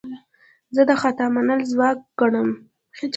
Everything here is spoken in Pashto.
زه د خطا منل ځواک ګڼم.